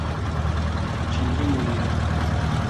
金瑟尔斯多夫是奥地利下奥地利州巴登县的一个市镇。